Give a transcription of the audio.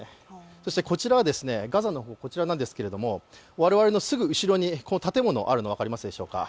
そしてこちらはガザの方なんですけれども、我々の後ろに建物があるの分かるでしょうか。